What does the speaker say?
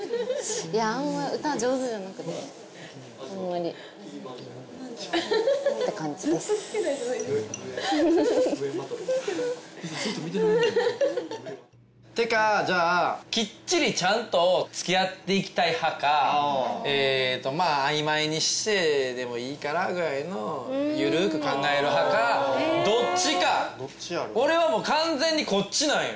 いやあんま歌上手じゃなくてあんまりって感じですふんってかじゃあきっちりちゃんとつきあっていきたい派かえっとまぁ曖昧にしてでもいいかなぐらいの緩く考える派かどっちかどっちやろな俺はもう完全にこっちなんよ